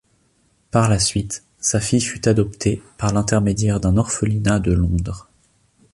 Par la suite, sa fille fut adoptée, par l'intermédiaire d'un orphelinat de Londres.